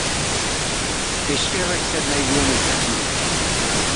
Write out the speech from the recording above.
Eskerrak zer nahi duen ez dakien!